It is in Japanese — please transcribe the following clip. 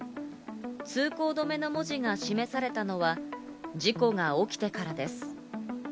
「通行止め」の文字が示されたのは、事故が起きてからです。